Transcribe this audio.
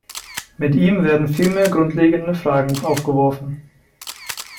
Mit ihm werden vielmehr grundlegende Fragen aufgeworfen.